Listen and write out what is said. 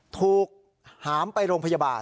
หามไปโรงพยาบาล